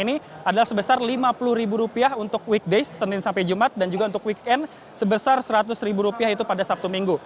ini adalah sebesar rp lima puluh untuk weekdays dan juga untuk weekend sebesar rp seratus pada sabtu minggu